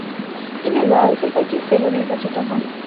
তিনি রয়্যাল সোসাইটির ফেলো নির্বাচিত হন।